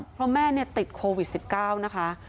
เพราะแม่ติดโควิด๑๙นะคะ